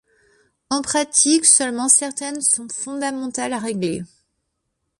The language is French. En pratique seulement certaines sont fondamentales à régler.